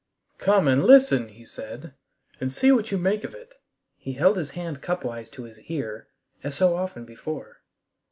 "Come and listen," he said, "and see what you make of it." He held his hand cupwise to his ear, as so often before.